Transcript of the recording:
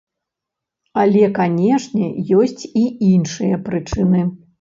Але, канешне, ёсць і іншыя прычыны.